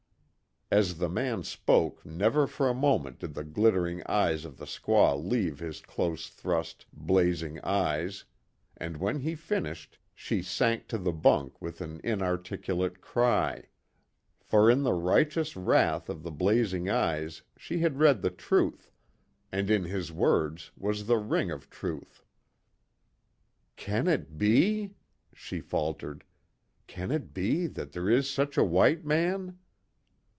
As the man spoke never for a moment did the glittering eyes of the squaw leave his close thrust, blazing eyes, and when he finished, she sank to the bunk with an inarticulate cry. For in the righteous wrath of the blazing eyes she had read the truth and in his words was the ring of truth. "Can it be?" she faltered, "Can it be that there is such a white man?"